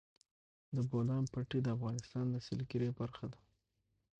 د بولان پټي د افغانستان د سیلګرۍ برخه ده.